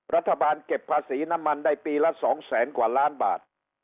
รัฐบาลเก็บภาษีน้ำมันได้ปีละ๒แสนกว่าล้านบาท